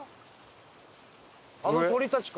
あの鳥たちか？